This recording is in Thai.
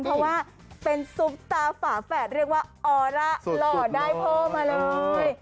เพราะว่าเป็นซุปตาฝาแฝดเรียกว่าออร่าหล่อได้พ่อมาเลย